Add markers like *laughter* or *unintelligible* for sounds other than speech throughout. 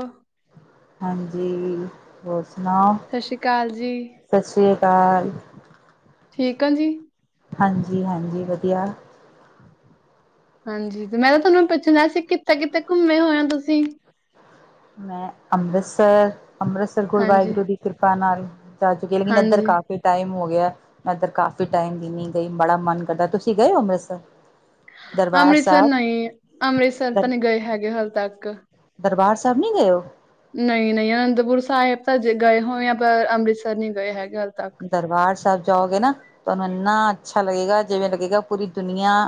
Hello. ਜੀ ਹੋਰ ਸੁਣਾਓ? ਸਤਿ ਸ਼੍ਰੀ ਅਕਾਲ ਜੀ। ਸਤਿ ਸ਼੍ਰੀ ਅਕਾਲ। ਠੀਕ ਆ ਜੀ। ਹਾਂਜੀ- ਹਾਂਜੀ ਵਧੀਆ। ਹਾਂਜੀ ਤੇ ਮੈਂ ਕਿਹਾ ਤੁਹਾਨੂੰ ਪੁੱਛਣਾ ਸੀ ਕਿੱਥੇ- ਕਿੱਥੇ ਘੁੰਮੇ ਹੋਏ ਹੋ ਤੁਸੀਂ? ਮੈਂ ਅੰਮ੍ਰਿਤਸਰ ਅੰਮ੍ਰਿਤਸਰ ਗੁਰੂ ਹਾਂਜੀ, ਵਾਹਿਗੁਰੂ ਦੀ ਕਿਰਪਾ ਨਾਲ ਜਾ ਚੁੱਕੀ ਲੇਕਿਨ ਇੱਧਰ ਹਾਂਜੀ ਕ- ਬੀ ਟਾਈਮ ਹੋ ਗਿਆ ਮੈਂ ਇੱਧਰ ਕਾਫ਼ੀ ਟਾਈਮ ਦੀ ਨੀ ਗਈ ਬੜਾ ਮਨ ਕਰਦਾ, ਤੁਸੀਂ ਗਏ ਹੋ ਅੰਮ੍ਰਿਤਸਰ? ਦਰਬਾਰ ਅੰਮ੍ਰਿਤਸਰ ਸਾਹਿਬ, ਨਹੀਂ ਅੰਮ੍ਰਿਤਸਰ ਦਰ ਤਾਂ ਨਹੀਂ ਗਏ ਹਜੇ ਹੱਲੇ ਤੱਕ। ਦਰਬਾਰ ਸਾਹਿਬ ਨੀ ਗਏ ਹੋ? ਨਈ- ਨਈ ਅਨੰਦਪੁਰ ਸਾਹਿਬ ਤਾ ਗਏ ਹੋਏ ਆ ਪਰ ਅੰਮ੍ਰਿਤਸਰ ਨੀ ਗਏ ਹੈਗੇ ਹਜ ਤੱਕ। ਦਰਬਾਰ ਸਾਹਿਬ ਜਾਓਗੇ ਨਾ ਤੁਹਾਨੂੰ ਇੰਨਾ ਅੱਛਾ ਲੱਗੇਗਾ ਜਿਵੇਂ ਲੱਗੇਗਾ ਪੂਰੀ ਦੁਨੀਆਂ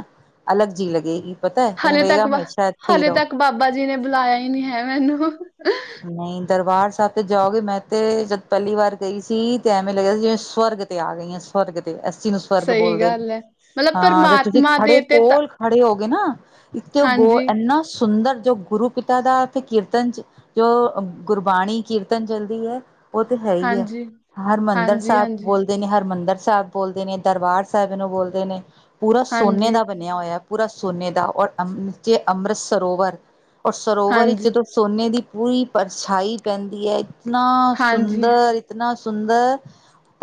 ਅਲੱਗ ਜੀ ਲੱਗੇਗੀ ਪਤਾ ਐ, ਐਵੇ ਹਾਲੇ ਤੱਕ ਲਗੇਗਾ ਵਾ ਹਮੇਸ਼ਾ ਇੱਥੇ ਈ ਹਾਲੇ ਰਹੋ। ਤੱਕ ਬਾਬਾ ਜੀ ਨੇ ਬੁਲਾਇਆ ਹੀ ਨੀ ਐ ਮੈਨੂੰ। ਨਈ ਦਰਬਾਰ ਸਾਹਿਬ ਤੇ ਜਾਓਗੇ, ਮੈਂ ਤੇ ਜਦ ਪਹਿਲੀ ਵਾਰ ਗਈ ਸੀ ਤੇ ਐਵੇਂ ਲੱਗਿਆ ਸੀ ਜਿਵੇਂ ਸਵਰਗ ਤੇ ਆ ਗਈਆਂ ਸਵਰਗ ਤੇ, ਅੱਸੀ ਨੂੰ ਸਵਰਗ ਸਹੀ ਬੋਲਦੇ ਨੇ ਗੱਲ ਹੈ। ਮਤਲਬ ਹਾਂ ਜੇ ਤੁਸੀਂ ਪਰਮਾਤਮਾ ਦੇ ਖੜੇ ਤੇ ਤਾਂ ਕੋਲ ਖੜੇ ਹੋ ਗਏ ਨਾ ਇੱਕ ਤੇ ਉਹ ਗੋ ਹਾਂਜੀ, ਇੰਨਾ ਸੁੰਦਰ ਜੋ ਗੁਰੂ ਪਿਤਾ ਦਾ ਕੀਰਤਨ ਚ, ਜੋ ਓ ਗੁਰਬਾਣੀ ਕੀਰਤਨ ਚਲਦੀ ਐ। ਉਹ ਤੇ ਹੈ ਹੀ ਐ, ਹਾਂਜੀ, ਹਰਿਮੰਦਰ ਹਾਂਜੀ, ਸਾਹਿਬ ਹਾਂਜੀ। ਬੋਲ ਦੇ ਨੇ, ਹਰਿਮੰਦਰ ਸਾਹਿਬ ਬੋਲਦੇ ਨੇ, ਦਰਬਾਰ ਸਾਹਿਬ ਇਨੂੰ ਬੋਲਦੇ ਨੇ, ਪੂਰਾ ਸੋਨੇ ਹਾਂਜੀ, ਦਾ ਬ- ਣਿਆ ਹੋਇਆ ਪੂਰਾ ਸੋਨੇ ਦਾ, ਔਰ ਜੇ ਅੰਮ੍ਰਿਤ ਸਰੋਵਰ ਔਰ ਸਰੋਵਰ ਵਿੱਚ ਹਾਂਜੀ, ਜਦੋਂ- ਸੋਨੇ ਦੀ ਪੂਰੀ ਪਰਛਾਈ ਪੈਂਦੀ ਐ, ਇਤਨਾ ਹਾਂਜੀ, ਸੁੰਦਰ ਇਤਨਾ ਸੁੰਦਰ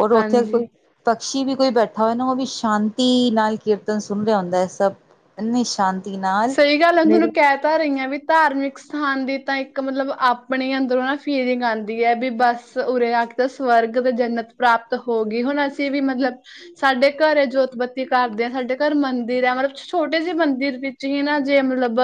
ਔਰ ਉੱਥੇ ਹਾਂਜੀ। ਕੋਈ, ਪਕਸ਼ੀ ਵੀ ਕੋਈ ਬੈਠਾ ਹੋਆ ਨਾ ਉਹ ਵੀ ਸ਼ਾਂਤੀ ਨਾਲ ਕੀਰਤਨ ਸੁਣ ਰਿਹਾ ਹੁੰਦਾ ਐ ਸਭ। ਇੰਨੀ ਸ਼ਾਂਤ- ਸਹੀ ਗੱਲ ਓਨੂੰ ਹਾਨੂੰ ਕਹਿ ਤਾਂ ਰਹੀ ਹਾਂ ਵੀ- ਧਾਰਮਿਕ ਸਥਾਨ ਦੀ ਤਾਂ ਇੱਕ ਮਤਲਬ ਆਪਣੇ ਅੰਦਰੋਂ ਨਾ ਫੀਰਿੰਗ ਆਂਦੀ ਐ, ਵੀ ਬਸ ਉਰੇ- ਸਵਰਗ ਤੇ ਜਨਤ ਪ੍ਰਾਪਤ ਹੋ ਗਈ, ਹੁਣ ਅਸੀਂ ਵੀ ਮਤਲਬ ਸਾਡੇ ਘਰ ਜੋਤਬੱਤੀ ਕਰਦੇ ਆ। ਸਾਡੇ ਘਰ ਮੰਦਿਰ ਹੈ ਮਤਲਬ, ਛੋਟੇ ਜਿਹੇ ਮੰਦਿਰ ਵਿੱਚ 'ਚ ਨਾ ਜੇ ਮਤਲਬ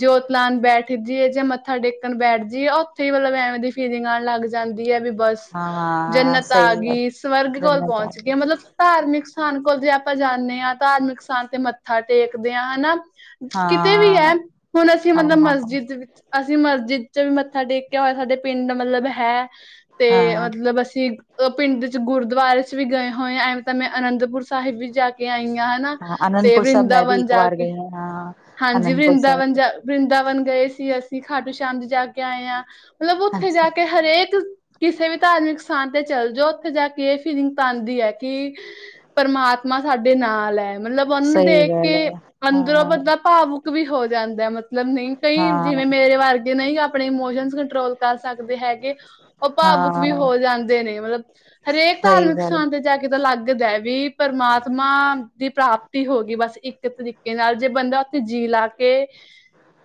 ਜੋਤ ਲਾਨ ਬੈਠ ਜਾਈਏ ਜਾਂੇ ਮੱਥਾ ਟੇਕਣ ਬੈਠ ਜਾਈਏ, ਉੱਥੇ ਹੀ ਮਤਲਬ ਐਵੇਂ ਦੀ ਫੀਲਿੰਗਾਂ ਲੱਗ ਜਾਂਦੀ ਹੈ, ਵੀ ਬੱਸ ਹਾਂ ਜਨਤ ਆ ਸਹੀ ਗੱਲ ਗਈ, ਸਵਰਗ ਕੋਲ ਜੰਨਤ ਆ ਪਹੁੰਚ ਗਿਆਈ ਮਤਲਬ ਧਾਰਮਿਕ ਸਥਾਨ, ਕੋਲ ਜੇ ਆਪਾਂ ਜਾਂਦੇ ਹਾਂ। ਧਾਰਮਿਕ ਸਥਾਨ ਤੇ ਮੱਥਾ ਟੇਕਦੇ ਹਾਂ, ਹਨਾ। ਕਿਤੇ ਵੀ ਹੈ, ਹਾਂ ਹੁਣ ਅਸੀਂ ਹਾਂ ਮਤਲਬ ਮਸਜਿਦ ਵਿੱਚ ਅਸੀਂ ਮਸਜਿਦ 'ਚ ਵੀ ਮੱਥਾ ਟੇਕਿਆ ਹੋਇਆ, ਸਾਡੇ ਪਿੰਡ ਮਤਲਬ ਹੈ। ਤੇ ਹਾਂ ਮਤਲਬ ਅਸੀਂ ਪਿੰਡ 'ਚ, ਗੁਰਦੁਆਰੇ 'ਚ ਵੀ ਗਏ ਹੋਏ। ਐਵੇਂ ਤਾਂ ਮੈਂ ਅਨੰਦਪੁਰ ਸਾਹਿਬ ਵੀ ਜਾ ਕੇ ਕੇ ਆਈਆਂ ਹਨਾ, ਹਾਂ ਤੇ ਅਨੰਦਪੁਰ ਸਾਹਿਬ ਮੈਂ ਵੀ ਵਰਿੰਦਾਵਨ ਇੱਕ ਜਾ ਵਾਰ ਕੇ ਗਈ ਹਾਂ। ਹਾਂਜੀ, ਅਨੰਦਪੁਰ ਵਰਿੰਦਾਵਨ ਸਾਹਿਬ ਜਾ ਵਰਿੰਦਾਵਨ ਗਏ ਸੀ ਅਸੀਂ, ਖਾਟੂ ਸ਼ਾਮ ਜੀ ਦੇ ਜਾ ਕੇ ਆਏ ਹਾਂ। ਮਤਲਬ ਉੱਥੇ ਅੱਛਾ ਜਾ ਕੇ ਹਰੇਕ ਕਿਸੇ ਵੀ ਧਾਰਮਿਕ ਸਥਾਨ ਤੇ ਚੱਲ ਜਾਓ, ਉੱਥੇ ਜਾ ਕੇ ਇਹ ਫੀਲਿੰਗ ਤਾਂ ਆਂਦੀ ਐ ਕਿ ਪਰਮਾਤਮਾ ਸਾਡੇ ਨਾਲ ਐ। ਮਤਲਬ, ਉਹਨੂੰ ਸਹੀ ਦੇਖ ਗੱਲ ਕੇ ਹੈ ਅੰਦਰੋਂ ਹਾਂ ਭਾਵੁਕ ਵੀ ਹੋ ਜਾਂਦਾ ਮਤਲਬ, ਨਹੀਂ ਕਈ ਹਾਂ ਜਿਵੇਂ ਮੇਰੇ ਵਰ ਜੇ ਨਹੀਂ, ਆਪਣੇ ਇਮੋਸ਼ਨ ਕੰਟਰੋਲ ਕਰ ਸਕਦੇ ਹੈਗੇ ਓ ਭਾਵੁਕ ਵੀ ਹਾਂ ਹੋ ਜਾਂਦੇ ਨੇ ਮਤਲਬ, ਹਰੇਕ ਸਹੀ ਧਾਰਮਿਕ ਗੱਲ ਸਥਾਨ ਤੇ ਜਾ ਕੇ ਤਾਂ ਲੱਗਦਾ ਵੀ, ਪਰਮਾਤਮਾ ਦੀ ਪ੍ਰਾਪਤੀ ਹੋ ਗਈ ਬਸ, ਇੱਕ ਤਰੀਕੇ ਨਾਲ ਜੇ ਬੰਦਾ ਜੀ ਲਾ ਕੇ,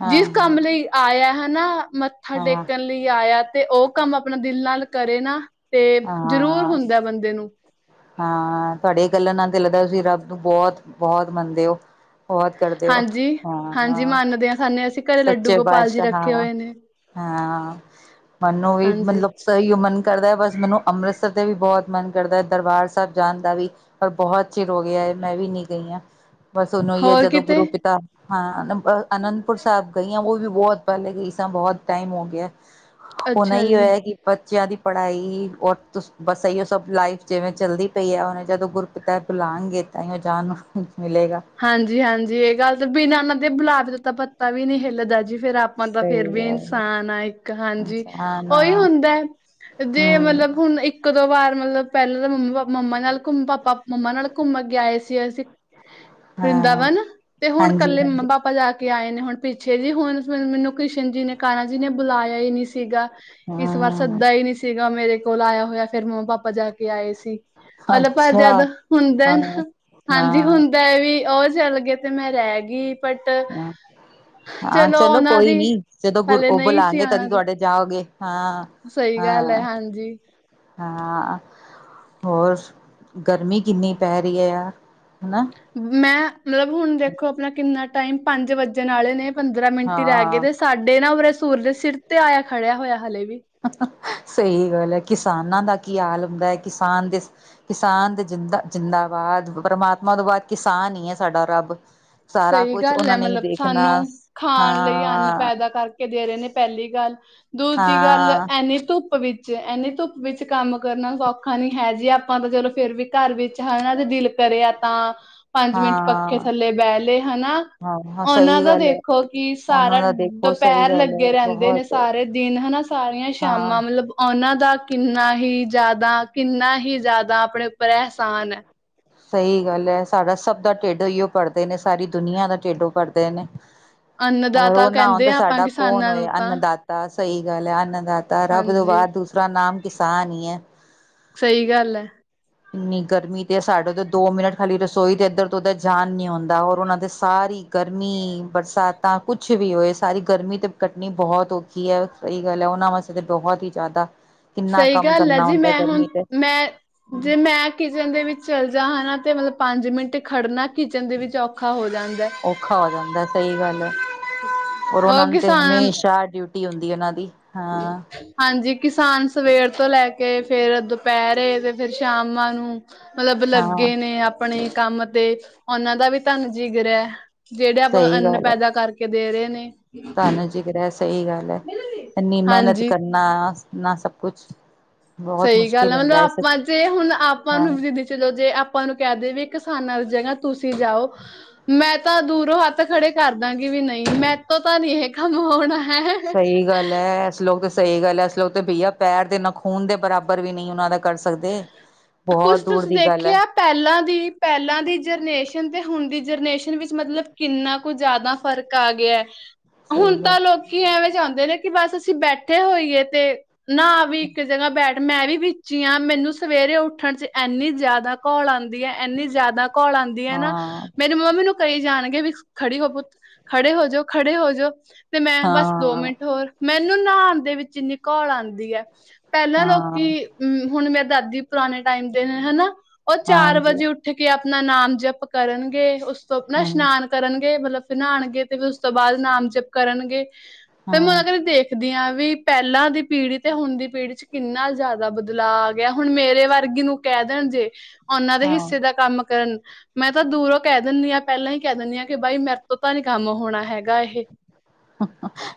ਹਾਂ ਜਿਸ ਹਾਂ ਕੰਮ ਲਈ ਆਇਆ ਹੈਨਾ, ਮ ਮੱਥਾ ਟੇਕਣ ਲਈ ਆਇਆ ਤੇ ਓ ਕੰਮ ਆਪਣਾ ਦਿਲ ਨਾਲ ਕਰੇ ਨਾ, ਤੇ ਹਾਂ ਜ਼ਰੂਰ ਹਾਂ ਹੁੰਦਾ ਬੰਦੇ ਨੂੰ। ਹਾਂ, ਤੁਹਾਡੇ ਗੱਲਾਂ ਨਾਲ ਤੇ ਲੱਗਦਾ, ਤੁਸੀਂ ਰੱਬ ਨੂੰ ਬਹੁਤ, ਬਹੁਤ ਮੰਨਦੇ ਓ। ਬਹੁਤ ਕਰਦੇ ਓ, ਹਾਂਜੀ, ਹਾਂਜੀ ਹਾਂ-ਹਾਂ, ਮੰਨਦੇ ਆ ਸਾਨੇ ਅਸੀਂ ਘਰੇ ਲੱਡੂ ਸੱਚੇ ਗੋਪਾਲ ਜੀ ਪਾਤਸ਼ਾਹ ਰੱਖੇ ਨਾਲ ਆ। ਹੋਏ ਨੇ। ਹਾਂ, ਮਨੂੰ ਵੀ ਹਾਂਜੀ, ਮਤਲਬ, ਸਹੀ ਓ ਮਨ ਕਰਦਾ ਐ ਬਸ, ਮੈਂਨੂੰ ਅੰਮ੍ਰਿਤਸਰ ਤੇ ਵੀ ਬਹੁਤ ਮਨ ਕਰਦਾ ਏ, ਦਰਬਾਰ ਸਾਹਿਬ ਜਾਣ ਦਾ ਵੀ। ਪਰ ਬਹੁਤ ਚਿਰ ਹੋ ਗਿਆ ਐ, ਮੈਂ ਵੀ ਨੀ ਗਈ ਆ। ਬਸ, ਹੁਣ ਓ, ਈ ਹੈ ਹੋਰ ਜਦੋਂ ਕਿਤੇ ਗੁਰੂ ' *inaudible* ' ਹਾਂ, ਅ- ਅਨੰਦਪੁਰ ਸਾਹਿਬ ਗਈ ਆਂ, ਉਹ ਵੀ ਬਹੁਤ ਪਹਿਲੇ ਗਈ ਸਾ, ਬਹੁਤ ਟਾਇਮ ਹੋ ਗਿਆ। ' *inaudible* ਹੁਣ ਏ ਹੀ ਹੋਇਆ ਕੀ ਬੱਚਿਆਂ ਦੀ ਪੜ੍ਹਾਈ, ਔਰ ਤੁਸ ਬਸ, ਏ ਈ ਓ ਸਭ ਲਾਈਫ ਜਿਵੇਂ ਚੱਲਦੀ ਪਈ ਆ। ' *unintelligible* ' ਜਦੋਂ ਗੁਰਪਿਤਾ ਬੁਲਾਣਗੇ, ਤਾਂਈਓ ਜਾਣ ਨੂੰ ਮਿਲੇਗਾ। ਹਾਂਜੀ-ਹਾਂਜੀ। ਇਹ ਗੱਲ ਤੇ ਬਿਨ੍ਹਾਂ ਉਹਨਾਂ ਦੇ ਬਲਾਣ, ' *unintelligible* ' ਦਾ ਤਾਂ ਪੱਤਾ ਵੀ ਨਹੀਂ ਹਿੱਲਦਾ ਜੀ। ਫਿਰ ਆਪਾਂ ਤਾਂ ਫਿਰ ਸਹੀ ਵੀ ਗੱਲ ਹੈ। ਇਨਸਾਨ ਆ, ਇੱਕ ਹਾਂਜੀ। ਇਨਸਾਨ ਉਹੀ ਆ, ਹੁੰਦਾ ਐ ਜੇ ਮਤਲਬ, ਹਮ ਹੁਣ ਇੱਕ ਕਦੋ ਵਾਰ ਮਤਲਬ ਪਹਿਲਾਂ ਮੰ, ਮੰਮਾ ਨਾਲ ਘੁੱਮ ਪਾਪਾ- ਮੰਮਾ ਨਾਲ ਘੁੰਮ ਕੇ ਆਏ ਸੀ, ਅਸੀਂ ਹਾਂ ਵ੍ਰਿੰਦਾਵਨ, ਤੇ ਹੁਣ ਹਾਂਜੀ ਇਕੱਲੇ ਮੰਮਾ ਹਾਂਜੀ ਪਾਪਾ ਜਾ ਕੇ ਆਏ ਨੇ ਹੁਣ ਪਿੱਛੇ ਜੀ, ਹੁਣ ਫਿਰ ਮੈਂਨੂੰ ਕ੍ਰਿਸ਼ਨ ਜੀ ਨੇ, ਕਾਣਾ ਜੀ ਨੇ ਬੁਲਾਇਆ ਹੀ ਨਹੀਂ ਸੀਗਾ। ਇਸ ਵਾਰ ਹਮ ਸੱਦਾ ਹੀ ਨਹੀਂ ਸੀਗਾ, ਮੇਰੇ ਕੋਲ ਆਇਆ ਹੋਇਆ, ਫਿਰ ਮੰਮਾ-ਪਾਪਾ ਜਾ ਕੇ ਆਏ ਸੀ। ' *unintelligible* ' ਅੱਛਾ ਜਦ ਹੁੰਦਾ ਐ ਹਾਂ ਨਾ, ਹਾਂਜੀ, ਹਾਂ ਹੁੰਦਾ ਐ ਵੀ ਓ ਚੱਲ ਗਏ, ਤੇ ਮੈਂ ਰਹਿਗੀ। ' *inaudible* ' ਹਾਂ, ਚਲੋ ਉਹਨਾਂ ਕੋਈ ਦੀ ਨੀ, ਜਦੋਂ ਗੁਰ ਹਲੇ ਓ ਨਹੀਂ ਸੀ ਬੁਲਾਣਗੇ, ਆਣਾ ਤਦੀ ਦੀ ਤੁਹਾਡੇ ਜਾਓਗੇ ਹਾਂ, ਸਹੀ ਗੱਲ ਹੈ ਹਾਂ। ਹਾਂਜੀ ਹਾਂ, ਹੋਰ ਗਰਮੀ ਕਿੰਨੀ ਪੈ ਰਹੀ ਐ, ਹੈਨਾ। ਮੈਂ ਮਤਲਬ ਹੁਣ ਦੇਖੋ ਆਪਣਾ ਕਿੰਨਾ ਟਾਈਮ ਪੰਜ ਵੱਜਣ ਵਾਲੇ ਨੇ ਪੰਦਰਾਂ ਮਿੰਟ ਹੀ ਰਹਿ ਹਾਂ ਗਏ ਸਾਡੇ ਨਾ ਉਰੇ ਸੂਰਜ ਸਿਰ ਤੇ ਆਇਆ ਖੜਿਆ ਹੋਇਆ ਹਲੇ ਵੀ। ਸਹੀ ਗੱਲ ਹੈ ਕਿਸਾਨਾਂ ਦਾ ਕੀ ਹਾਲ ਹੁੰਦਾ ਐ। ਕਿਸਾਨ ਦੇ ਕਿਸਾਨ ਦੇ ਜ਼ਿੰਦਾ, ਜ਼ਿੰਦਾਬਾਦ। ਪਰਮਾਤਮਾ ਤੋਂ ਬਾਅਦ ਕਿਸਾਨ ਈ ਐ ਸਾਡਾ ਰੱਬ। ਸਾਰਾ ਸਹੀ ਕੁਛ ਗੱਲ ਉਹਨਾਂ ਨੇ ਹੀ ਮਤਲਬ, ਦੇਖਣਾ ਸਾਨੂੰ ਖਾਣ ਲਈ ਅੰਨ ਹਾਂ ਪੈਦਾ ਕਰ ਕੇ ਦੇ ਰਹੇ ਨੇ ਪਹਿਲੀ ਗੱਲ। ਦੂਜੀ ਗੱਲ ਹਾਂ ਐਨੀ ਧੁੱਪ ਧੁੱਪ ਵਿੱਚ, ਐਨੀ ਧੁੱਪ ਵਿੱਚ ਕੰਮ ਕਰਨਾ ਸੌਖਾ ਨੀ ਹੈ ਜੀ। ਆਪਾਂ ਤਾਂ ਚਲੋ ਫੇਰ ਵੀ ਘਰ ਵਿੱਚ ਹਨਾ ਦਿਲ ਕਰਿਆ ਤਾਂ, ਪੰਜ ਮਿੰਟ ਪੱਖੇ ਹਾਂ ਥੱਲੇ ਬਹਿ ਲਏ। ਹਨਾ? ਹਾਂ ਉਹਨਾਂ ਸਹੀ ਦਾ ਗੱਲ ਹੈ ਦੇਖੋ ਕਿ ਉਹਨਾਂ ਸਾਰਾ ਦਾ ਦੇਖੋ ਸਹੀ ਦੁਪਹਿਰ ਗੱਲ ਹੈ ਲੱਗੇ ਰਹਿੰਦੇ ਨੇ। ਬਹੁਤ ਸਾਰੇ ਦਿਨ ਹਨਾ ਸਾਰੀਆਂ ਹਾਂ ਸ਼ਾਮਾਂ ਮਤ ਮਤਲਬ ਉਹਨਾਂ ਦਾ ਕਿੰਨਾ ਹੀ ਜ਼ਿਆਦਾ, ਕਿੰਨਾ ਹੀ ਜ਼ਿਆਦਾ ਆਪਣੇ ਉੱਪਰ ਅਹਿਸਾਨ ਹੈ ਸਹੀ ਗੱਲ ਐ। ਸਾਡਾ ਸਭ ਦਾ ਢਿੱਡ ਇਹੀਓ ਪੜਦੇ ਨੇ। ਸਾਰੀ ਦੁਨੀਆਂ ਦਾ ਢਿੱਡੋਂ ਪੜਦੇ ਨੇ। ਅੰਨ ਦਾ ਅਗਰ ਉਹ ਨਾ ਹੋਣ ਕਹਿੰਦੇ ਤਾਂ ਆ ਆਪਾਂ ਸਾਡਾ ਕੌਣ ਕਿਸਾਨਾਂ ਹੋਏ ਨੂੰ ਤਾਂ ਅੰਨਦਾਤ ਦਾ ਸਹੀ ਗੱਲ ਐ। ਅੰਣਦਾਤਾ ਰੱਬ ਤੋਂ ਹਾਂਜੀ ਬਾਅਦ ਦੂਸਰਾ ਨਾਮ ਕਿਸਾਨ ਈ ਐ। ਸਹੀ ਗੱਲ ਹੈ ਇੰਨੀ ਗਰਮੀ ਤਿਸ ਸਾਡੇ ਤਾਂ ਦੋ ਮਿੰਟ ਖਾਲੀ ਰਸੋਈ ਤੇ ਇੱਧਰ ਤੋਂ ਉੱਧਰ ਜਾਣ ਨੀ ਹੁੰਦਾ ਔਰ ਉਹਨਾਂ ਦੇ ਸਾਰੀ ਗਰਮੀ ਬਰਸਾਤ ਤਾਂ ਕੁੱਛ ਵੀ ਹੋਏ, ਸਾਰੀ ਗਰਮੀ ਤੇ ਕੱਟਣੀ ਬਹੁਤ ਔਖੀ ਹੈ। ਸਹੀ ਗੱਲ ਐ। ਉਹਨਾਂ ਵਾਸਤੇ ਤਾਂ ਬਹੁਤ ਹੀ ਜ਼ਿਆਦਾ ਕਿੰਨਾ ਸਹੀ ਕੰਮ ਗੱਲ ਹੈ ਕਰਨਾ ਜੀ। ਹੁੰਦਾ ਮੈਂ ਹੁਣ, ਗਰਮੀ ਤੇ ਮੈਂ ਜੇ ਮੈਂ ਕਿਚਨ ਦੇ ਵਿੱਚ ਚੱਲ ਜਾਂ ਹਨਾ ਤੇ ਮਤਲਬ ਪੰਜ ਮਿੰਟ ਖੜਨਾ ਕਿਚਨ ਦੇ ਵਿੱਚ ਔ ਔਖਾ ਹੋ ਜਾਣ ਔਖਾ ਹੋ ਜਾਂਦਾ, ਸਹੀ ਗੱਲ ਹੈ। ਔਰ ਉਹ ਉਹਨਾਂ ਨੂੰ ਤੇ ਕਿਸਾਨ ਹਮੇਸ਼ਾ ਡਿਊਟੀ ਡਿਊਟੀ ਹੁੰਦੀ ਹੈ ਉਹਨਾਂ ਦੀ। *inaudible* ਹਾਂ ਹਾਂਜੀ, ਕਿਸਾਨ ਸਵੇਰ ਤੋਂ ਲੈ ਕੇ ਫਿਰ ਦੁਪਹਿਰੇ ਤੇ ਫਿਰ ਸ਼ਾਮਾਂ ਨੂੰ ਮਤਲਬ ਹਾਂ ਲੱਗੇ ਨੇ ਆਪਨੇ ਕੰਮ ਤੇ, ਉਹਨਾਂ ਦਾ ਵੀ ਧੰਨ ਜਿਗਰਾ - ਜਿਹੜੇ ਆਪ ਸਹੀ ਅੰਨ ਗੱਲ ਹੈ ਪੈਦਾ ਕਰਕੇ ਦੇ ਰਹੇ ਨੇ। ਜਿਗਰਾ ਸਹੀ ਗੱਲ ਹੈ। ਇੰਨੀ ਮਿਹਨਤ ਹਾਂਜੀ। ਕਰਨਾ ਇੰਨਾ ਸਭ ਕੁਛ। ਬਹੁਤ ਸਹੀ ਗੱਲ ਮੁਸ਼ਕਿਲ ਹੈ ਮਤਲਬ ਹੁੰਦਾ ਸੱਚ ਆਪਾਂ'ਤੇ ਹੁਣ ਆਪਾਂ ਹਾਂ ਨੂੰ ਵੀ ਜ- ਚਲੋ ਜੇ ਆਪਾਂ ਨੂੰ ਕਹਿ ਦੇ ਵੀ ਕਿਸਾਨਾਂ ਦੀ ਜਗਾ ਤੁਸੀਂ ਜਾਓ- ਮੈਂ ਤਾਂ ਦੂਰੋਂ ਹੱਥ ਖੜੇ ਕਰਦਾਂਗੀ ਵੀ ਨਹੀਂ ਮੈਂ ਤੋਂ ਤਾਂ ਨੀ ਐਹ ਕੰਮ ਹੋਣਾ। ਹੈ। ਸਹੀ ਗੱਲ ਹੈ। ਇਸ ਲੋਕ ਤਾਂ ਸਹੀ ਗੱਲ ਹੈ। ਇਸ ਲੋਕ ਤੇ ਬਈ ਪੈਰ ਦੇ ਨਖੂਨ ਦੇ ਬਰਾਬਰ ਵੀ ਨਹੀਂ ਉਹਨਾਂ ਦਾ ਕਰ ਸਕਦੇ, ਕੁਛ ਬਹੁਤ ਦੂਰ ਤੁਸੀਂ ਦੀ ਗੱਲ ਹੈ। ਦੇਖਿਆ ਪਹਿਲਾਂ ਦੀ ਪਹਿਲਾਂ ਦੀ ਜਰਨੇਸ਼ਨ ਤੇ ਹੁਣ ਦੀ ਜਰਨੇਸ਼ਨ ਵਿੱਚ ਮਤਲਬ ਕਿੰਨਾ ਕੁ ਜ਼ਿਆਦਾ ਫਰਕ ਆ ਗਿਆ। ਸਹੀ ਹੁਣ ਗੱਲ ਤਾਂ ਲੋਕ- ਕੀ ਐਵੇਂ ਚਾਹੁੰਦੇ ਨੇ ਬਸ ਅਸੀਂ ਬੈਠੇ ਹੋਈਏ ਤੇ- ਨਾ ਵੀ ਇੱਕ ਜਗ੍ਹਾ ਬੈਠ, ਮੈਂ ਵੀ ਵਿੱਚ ਹੀ ਆਂ। ਮੈਨੂੰ ਸਵੇਰੇ ਉੱਠਣ'ਚ ਐਨੀ ਜ਼ਿਆਦਾ ਘੋਲ ਆਂਦੀ ਹੈ, ਐਨੀ ਜ਼ਿਆਦਾ ਘੋਲ ਆਂਦੀ ਆਂਦੀ ਆ ਨਾ ਹਾਂ ਮੇਰੀ ਮੰਮਾ ਨੂੰ ਕਹੀ ਜਾਣਗੇ ਵੀ ਖੜੀ ਹੋ ਪੁੱਤ, ਖੜੇ ਹੋਜੋ, ਖੜੇ ਹੋਜੋ ਤੇ ਮੈਂ ਬਸ ਦੋ ਹਾਂ ਮਿੰਟ ਹੋਰ। ਮੈਨੂੰ ਨਹਾਉਣ ਦੇ ਵਿੱਚ ਇੰਨੀ ਘੋਲ ਆਂਦੀ ਐ। ਪਹਿਲਾਂ ਹਾਂ ਲੋਕੀ, ਹਮ ਹੁਣ ਮੇਰੇ ਦਾਦੀ ਪੁਰਾਣੇ ਟਾਈਮ ਦੇ ਹਨਾ? ਉਹ ਚਾਰ ਹਾਂਜੀ ਵਜੇ ਉੱਠ- ਉਠ ਕੇ ਆਪਣਾ ਨਾਮ ਜਪ ਕਰਨਗੇ। ਉਸ ਤੋਂ ਆਪਣਾ ਹਮ ਇਸ਼ਨਾਨ- ਕਰਨਗੇ ਮਤਲਬ ਫੇਰ ਨਹਾਉਣਗੇ ਤੇ ਫਿਰ ਉਸ ਤੋਂ ਬਾਅਦ ਨਾਮ ਜਪ- ਕਰਨਗੇ ਫੇਰ ਮੈਂ ਹਮ ਅਗਦੇ ਦੇਖਦੀ ਹਾਂ ਵੀ- ਪਹਿਲਾਂ ਦੀ ਪੀੜ੍ਹੀ ਤੇ ਹੁਣ ਦੀ ਪੀੜ੍ਹੀ 'ਚ ਕਿੰਨਾ ਜ਼ਿਆਦਾ ਬਦ ਲਾ ਗਿਆ ਹੁਣ ਮੇਰੇ ਵਰਗੀ ਨੂੰ ਕਹਿ ਦੇਣ ਜੇ ਉਨ੍ਹਾਂ ਦੇ ਹਿੱਸੇ ਹਾਂ ਦਾ ਕੰਮ ਕਰਨ ਮੈਂ ਤਾਂ ਦੂਰੋਂ ਕਹਿ ਦੇਨੀ ਆ ਪਹਿਲਾਂ ਹੀ ਕਹਿ ਦੇਨੀ ਆ ਕਿ ਬਾਈ ਮੇਰੇ ਤੋਂ ਤਾਂ ਨੀ ਕੰਮ ਹੋਣਾ ਹੈਗਾ ਐ।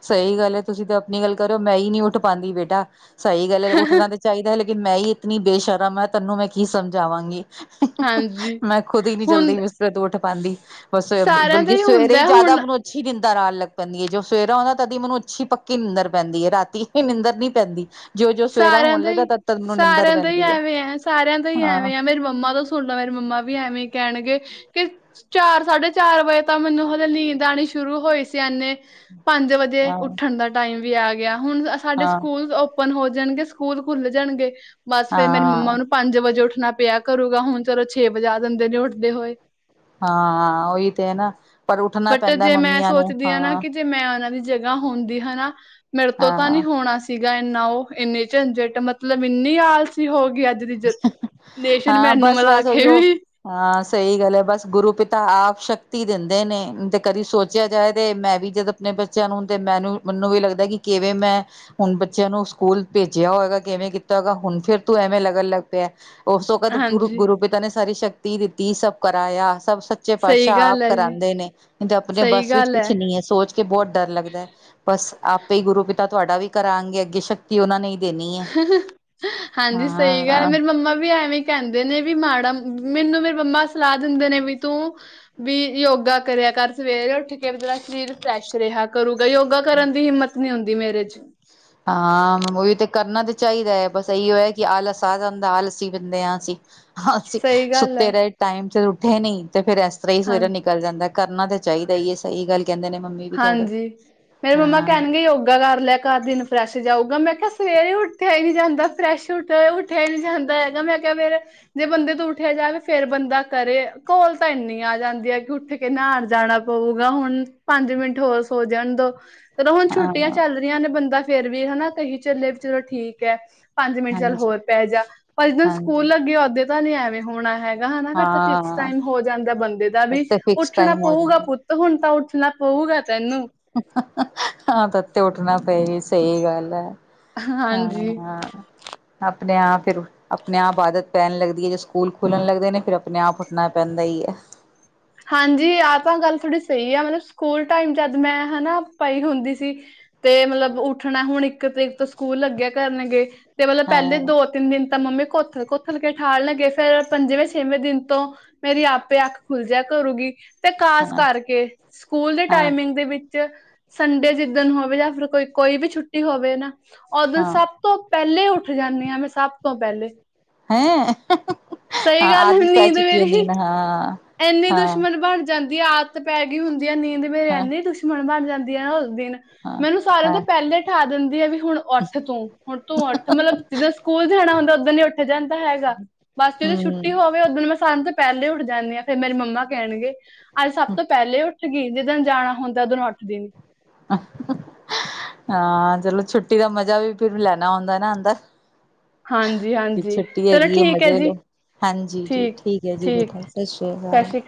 ਸਹੀ ਗੱਲ ਏ ਤੁਸੀਂ ਤੇ ਆਪਨੀ ਗੱਲ ਕਰੋ ਮੈਂ ਹੀ ਨੀ ਉੱਠ ਪਾਦੀ ਬੇਟਾ। ਸਹੀ ਗੱਲ ਐ ਉੱਠਣਾ ਤੇ ਚਾਹੀਦਾ ਹੈ ਲੇਕਿਨ ਮੈਂ ਹੀ ਇਤਨੀ ਬੇਸ਼ਰਮ ਆ ਤੈਨੂੰ ਮੈਂ ਕੀ ਸਮਝਾਵਾਂਗੀ? ਹਾਂਜੀ ਮੈਂ ਖੁਦ ਹੀ ਨੀ ਹੁਣ ਜਲਦੀ ਬਿਸਤਰੇ ਤੋਂ ਉੱਠ ਪਾਦੀ ਬ ਸਾਰਿਆਂ ਦਾ ਬਤਲਕਿ ਸਵੇਰੇ ਹੀ ਹੁੰਦਾ ਜਾਦਾ ਹੁਣ ਮੈਨੂੰ- *unintelligible* ਦਰ ਆਣ ਲੱਗ ਪੈਂਦੀ ਏ ਜੋ ਸਵੇਰਾ ਉਂਦਾ ਤਦੀ ਮੈਨੂੰ ਅੱਛੀ ਪੱਕੀ ਨਿੰਦਰ ਪੈਂਦੀ ਏ ਰਾਤੀ ਨਿੰਦਰ ਨੀ ਪੈਂਦੀ। ਜੋ ਜੋ ਸਵੇਰਾ ਸਾਰਿਆਂ ਹੋਣ ਦਾ ਲੱਗਦਾ ਹੀ, ਤਦ ਤਦ ਮੈਨੂੰ ਨਿੰਦਰ ਸਾਰਿਆਂ ਦਾ ਹੀ ਪੈਂਦੀ ਹੈ ਐਵੇਂ ਐ, ਸਾਰਿਆਂ ਦਾ ਹੀ ਹਾਂ ਐਵੇਂ ਐ ਮੇਰੀ ਮੰਮਾ ਤੋਂ *unintelligible* ਮੇਰੀ ਮੰਮਾ ਵੀ ਐਵੇਂ ਕਹਿਣਗੇ ਕਿ ਚਾਰ ਸਾਢੇ ਚਾਰ ਵਜੇ ਤਾਂ ਮੈਨੂੰ ਹਲੇ ਨੀਂਦ ਆਨੀ ਸ਼ੁਰੂ ਹੋਈ ਸੀ ਏਨੇ ਪੰਜ ਵਜੇ ਹਾਂ ਉਠਨ ਦਾ ਟਾਈਮ ਵੀ ਆ ਗਿਆ ਹੁਣ ਸਾਡੇ ਹਾਂ ਸਕੂਲਸ ਔਪਨ ਹੋ ਜਨ ਗੇ ਸਕੂਲ ਖੁੱਲ ਜਨ ਗੇ ਬਸ ਫੇਰ ਮੇਰੀ ਮੰਮਾ ਹਾਂ ਨੂੰ ਪੰਜ ਵਜੇ ਉੱਠਣਾ ਪਿਆ ਕਰੂਗਾ ਹੁਣ ਚਲੋ ਛੇ ਵਜਾ ਦੇਂਦੇ ਨੇ ਉੱਠਦੇ ਹੋਏ। ਹਾਂ, ਉਹੀ ਤੇ ਹੈ ਨਾ ਪਰ ਉੱਠਨੇ ਬਟ ਪੈਂਦਾ ਜੇ ਮੈਂ ਮੰਮੀਆਂ ਨੂੰ, ਸੋਚਦੀ ਨਾ ਹਾਂ। ਕਿ ਜੇ ਮੈਂ ਉਹਨਾਂ ਦੀ ਜਗ੍ਹਾ ਹੁੰਦੀ ਹਨਾ ਮੇਰੇ ਤੋਂ ਤਾਂ ਹਾਂ ਨੀ ਹੋਣਾ ਸੀਗਾ ਏਨਾ ਉਹ। ਇਨੇ ਝੰਜਟ ਮਤਲਬ ਇੰਨੀ ਆਲਸੀ ਹੋ ਗੇ ਆ ਰਿਜਕ ਨੇਸ਼ਨ ਹਾਂ ਮੈਨੂੰ ਮਿਲਾ ਬਸ-ਬਸ ਕੇ ਉਹੀਓ ਵੀ। ਹਾਂ ਸਈ ਗੱਲ ਏ ਬਸ ਗੁਰੂ ਪਿਤਾ ਆਪ ਸ਼ਕਤੀ ਦਿੰਦੇ ਨੇ ਤੇ ਕਦੀ ਸੋਚਿਆ ਜਾਏ ਤੇ ਮੈਂ ਵੀ ਜਦੋਂ ਪਨੇ ਬੱਚਿਆਂ ਨੂੰ ਤੇ ਮੈਨੂੰ ਮਨੂੰ ਵੀ ਲੱਗਦਾ ਕਿ ਕਿਵੇਂ ਮੈਂ ਹੁਣ ਬੱਚਿਆਂ ਨੂੰ ਸਕੂਲ ਭੇਜਿਆ ਹੋਏਗਾ ਕਿਵੇਂ ਕੀਤਾ ਹੋਗਾ ਹੁਣ ਫੇਰ ਤੋਂ ਐਵੇਂ ਲੱ ਗਣ ਲਗ ਪਿਆ ਓਸ ਵਕਤ ਗੁਰੂ ਹਾਂਜੀ ਗੁਰੂ ਪਿਤਾ ਨੇ ਸਾਰੀ ਸ਼ਕਤੀ ਦਿੱਤੀ ਸਭ ਕਰਾਇਆ ਸਭ ਸ ਚੇ ਸਹੀ ਪਾਤਸ਼ਾਹ ਆਪ ਗੱਲ ਹੈ ਜੀ ਕਰਾਦੇ ਨੇ ਨੀ ਤੇ ਆਪਣੇ ਸਹੀ ਬੱਸ ਵਿੱਚ ਗੱਲ ਕੁਛ ਨੀ ਹੈ ਸੋਚ ਕੇ ਬੌਤ ਡਰ ਲੱਗਦਾ ਬਸ ਆਪੇ ਹੀ ਗੁਰੂ ਪਿਤਾ ਤੁਹਾਡਾ ਵੀ ਕਰਾਂਗੇ ਅੱਗੇ ਸ਼ੱਕ ਤੀ ਉਹਨਾ ਨੇ ਹੀ ਦੇਨੀ ਏ ਹਾਂਜੀ ਹਾਂ। ਸਹੀ ਗੱਲ ਮੇਰੀ ਮੰਮਾ ਵੀ ਐਵੇਂ ਕਹਿੰਦੇ ਨੇ ਵੀ ਮਾੜਾ ਮੈਨੂੰ ਮੇਰੇ ਮੰਮਾ ਸਲਾਹ ਦਿੰਦੇ ਨੇ ਵੀ ਤੂੰ ਵੀ ਯੋਗਾ ਕਰਿਆ ਕਰ ਸਵੇਰੇ ਉੱਠ ਕੇ ਜਰਾ ਸਰੀਰ ਫਰੈਸ਼ ਰੇਹਾ ਕਰੂਗਾ ਯੋਗਾ ਕਰਨ ਦੀ ਹਿੰਮਤ ਨੀ ਹੁੰਦੀ ਮੇਰੇ ਚ। ਹਾਂ ਉਹੀ ਤੇ ਕਰਨਾ ਤੇ ਚਾਹੀਦਾ ਹੈ ਬਸ ਇਹੀਓ ਹੈ ਕਿ ਆਲਾ ਆ ਜਾਂਦਾ ਆਲੱਸੀ ਬੰਦੇ ਹਾਂ ਅਸੀਂ। ਅਸੀਂ ਸਹੀ ਗੱਲ ਹੈ ਸੁੱਤੇ ਰਹੇ ਟਾਈਮ ਸਿਰ ਉੱਠੇ ਨੀ ਤੇ ਫੇਰ ਏਸ ਤਰ੍ਹਾਂ ਹੀ ਸਵੇਰੇ ਹਾਂਜੀ ਨਿਕਲ ਜਾਂਦਾ। ਕਰਨਾ ਤਾਂ ਚਾਹੀਦਾ ਏ ਸਈ ਗੱਲ ਕੇਂਦੇ ਨੇ ਮੰਮੀ। ਵੀ ਤੁਹਾਡੇ ਹਾਂਜੀ ਮੇਰੇ ਮੰਮਾ ਹਾਂ ਕਹਨਗੇ ਯੋਗਾ ਕਰ ਲਿਆ ਘਰ ਦਿਨ ਫਰੈਸ਼ ਜਾਊਗਾ ਮੈਂ ਕਿਹਾ ਸਵੇਰੇ ਉੱਠਿਆ ਹੀ ਨੀ ਜਾਂਦਾ ਫਰੈਸ਼ ਉੱਠਿਆ, ਉੱਠਿਆ ਹੀ ਨੀ ਜਾਂਦਾ ਹੈਗਾ ਮੈਂ ਕਿਆ ਮੇਰੇ ਜੇ ਬੰਦੇ ਤ ਉੱਠਿਆ ਜਾਵੇ ਫੇਰ ਬੰਦਾ ਕਰੇ ਘੋਲ ਤਾਂ ਇੰਨੀ ਆ ਜਾਂਦੀ ਹੈ ਕਿ ਉੱਠ ਕਿ ਨਾਨ ਜਾਣਾ ਪਊਗਾ ਹੁਨ ਪੰਜ ਮਿੰਟ ਹੋਰ ਸੋ ਜਾਨ ਦੋ ਚਲੋ ਹੁਣ ਹਾਂ ਛੁੱਟੀਆਂ ਚੱਲ ਰਹੀਆਂ ਨੇ ਬੰਦਾ ਫੇਰ ਵੀ ਹਨਾ ਕਹੀ ਚੱਲੇ ਵੀ ਚਲੋ ਠੀਕ ਐ। ਪੰਜ ਮਿੰਟ ਚੱਲ ਹਾਂਜੀ। ਹੋਰ ਪੈ ਜਾ ਪਰ ਜਿੱ ਸਕੂਲ ਹਾਂਜੀ ਲੱਗੇ ਓਦੇ ਤਾਂ ਨੀ ਐਵੇਂ ਹੋਣਾ ਹੈਗਾ। ਹਨਾ ਫੇਰ ਤਾਂ ਫਿਕਸ ਹਾਂ ਟਾਈਮ ਹੋ ਜਾਂਦਾ ਬੰਦੇ ਦਾ ਤਦ ਵੀ ਤੇ ਫਿਕਸ ਉੱਠਣਾ ਟਾਈਮ ਹੋ ਪਊਗਾ ਜਾਂਦਾ। ਪੁੱਤ ਹੁਣ ਤਾਂ ਉੱਠਣਾ ਪਊਗਾ ਤੈਨੂੰ। ਤਾਂ ਤੱਕ ਤੇ ਉੱਠਨਾ ਪਏ ਸਈ ਗੱਲ ਐ ਹਾਂਜੀ ਹਾਂ। ਆਪਣੇ ਆਪ ਫੇਰ ਆਪਣੇ ਆਪ ਆਦਤ ਪੈਣ ਲੱਗਦੀ ਏ ਜੇ ਸਕੂਲ ਖੁਲੱਨ ਲੱਗਦੇ ਨੇ ਫੇਰ ਆਪਣੇ ਆਪ ਉਠਣਾ ਪੈਂਦਾ ਈ ਐ। ਹਾਂਜੀ ਆਹ ਤਾਂ ਗੱਲ ਥੋੜ੍ਹੀ ਸਹੀ ਆ ਮਤਲਬ ਸਕੂਲ ਟਾਈਮ ਜਦ ਮੈਂ ਹਨਾ ਪਈ ਹੁੰਦੀ ਸੀ ਤੇ ਮਤਲਬ ਉੱਠਣਾ ਹੁਣ ਇੱਕ ਤਰੀਕ ਤੋਂ ਸਕੂਲ ਲੱਗਿਆ ਕਰਨਗੇ ਤੇ ਮਤਲਬ ਹਾਂ ਪੈਲੇ ਦੋ ਤਿੰਨ ਦਿਨ ਤਾਂ ਮੰਮੀ ਕੋਥ ਕੋਥਲ ਕੇ ਠਾਨ ਲੱਗੇ ਫੇਰ ਪੰਜਵੇਂ, ਛੇਵੇਂ ਦਿਨ ਤੋਂ ਮੇਰੀ ਆਪੇ ਅੱਖ ਖੁੱਲ ਜਿਆ ਕਰੂਗੀ ਤੇ ਖਾਸ ਹਾਂ ਕਰਕੇ ਸਕੂਲ ਦੇ ਹਾਂ ਟਾਈਮਿੰਗ ਦੇ ਵਿੱਚ ਸੰਡੇ ਜਿੱਦਣ ਹੋਵੇ ਜਾਂ ਫਿਰ ਕੋਈ ਕੋਈ ਵੀ ਛੁੱਟੀ ਹੋਵੇ ਨਾ, ਓਦਨ ਹਾਂ। ਸਭ ਤੋਂ ਪਹਿਲੇ ਉੱਠ ਜਾਂਨੇ ਆ, ਮੈਂ ਸਭ ਤੋਂ ਪਹਿਲੇ। ਹੈਂ! ਸਹੀ ਹਾਂ, ਗੱਲ ਆਦਤ ਹੈ ਪੈ ਨੀਂਦ ਚੁੱਕੀ ਮੇਰੀ ਹੁੰਦੀ ਨਾ ਹਾਂ। ਇੰਨੀ ਦੁਸ਼ਮਣ ਬਣ ਜਾਂਦੀ ਆ, ਆਦਤ ਪੈ ਗਈ ਹੁੰਦੀ ਆ, ਨੀਂਦ ਮੇਰੇ ਐੰਨੀ ਦੁਸ਼ਮਣ ਬਣ ਜਾਂਦੀ ਆ ਓ। ਦਿਨ ਮੈਨੂੰ ਸਾਰਿਆਂ ਦੇ ਪਹਿਲੇ ਉਠਾ ਦਿੰਦੇ ਆ ਵੀ ਹੁਣ ਉਠ ਤੂੰ, ਹੁਣ ਤੂੰ ਉਠ, ਮਤਲਬ ਜਿੱਦਾਂ ਸਕੂਲ ਜਾਣਾ ਹੁੰਦਾ ਉੱਦਾਂ ਨ ਠ ਜਾਂਦਾ ਹੈਗਾ, ਬਸ ਜਦੋਂ ਛੁੱਟੀ ਹੋਵੇ, ਉਦਨ ਮੈਂ ਸਝ ਤੋਂ ਪਹਿਲੇ ਉੱਠ ਜਾਂਨੇ ਆ। ਫੇਰ ਮੇਰੀ ਮੰਮਾ ਕਹਿਣਗੇ, ਅੱਜ ਸਭ ਤੋਂ ਪਹਿਲੇ ਉੱਠ ਗਈ, ਜਿੱਦਣ ਜਾਣਾ ਹੁੰਦਾ, ਉਦਨ ਉੱਠਦੀ ਨੀ। ਅ ਹਾ ਹਾ ਹਾਂ, ਚਲੋ ਛੁੱਟੀ ਦਾ ਮਜ਼ਾ ਵੀ ਫਿਰ ਲੈਣਾ ਆਉਂਦਾ ਨਾ ਅੰਦਰ। ਹਾਂਜੀ ਕੀ ਹਾਂਜੀ ਛੁੱਟੀ ਚਲੋ ਹੈਗੀ ਆ, ਠੀਕ ਹੈ ਮਜੇ ਜੀ ਲਓ। ਹਾਂਜੀ ਜੀ, ਠੀਕ ਹੈ ਜੀ ਬੇਟਾ, ਸਤਿ ਸ਼੍ਰੀ ਸਤਿ ਅਕਾਲ। ਸ੍ਰੀ